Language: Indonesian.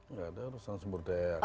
nggak ada ruslan semberdaya